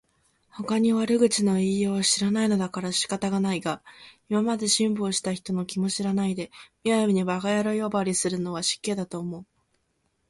ほかに悪口の言いようを知らないのだから仕方がないが、今まで辛抱した人の気も知らないで、無闇に馬鹿野郎呼ばわりは失敬だと思う